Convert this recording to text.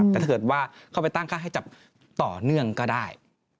แต่ถ้าเกิดว่าเข้าไปตั้งค่าให้จับต่อเนื่องก็ได้